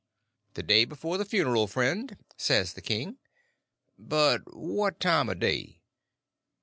"The day before the funeral, friend," says the king. "But what time o' day?"